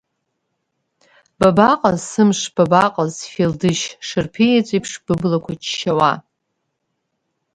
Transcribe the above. Бабаҟаз, сымш, бабаҟаз, сфелдышь, шарԥыеҵәеиԥш быблақәа ччауа.